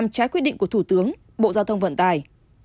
trái quyết định của thủ tướng bộ giao thông vận tải